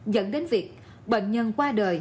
dẫn đến việc bệnh nhân qua đời